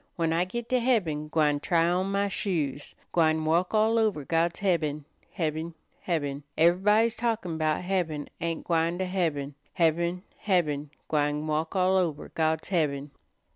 When I git to heaben, gwine try on my shoes, Gwine walk all over God's heaben, heaben, heaben. Ever'body's talkin' 'bout heaben ain't gwine to heaben Heaben, heaben, gwine walk all over God's heaben."